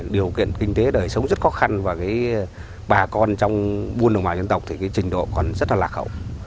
điều kiện kinh tế đời sống rất khó khăn và cái bà con trong buôn đồng bào dân tộc thì cái trình độ còn rất là lạc hậu